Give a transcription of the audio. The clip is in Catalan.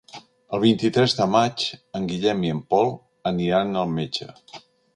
El vint-i-tres de maig en Guillem i en Pol aniran al metge.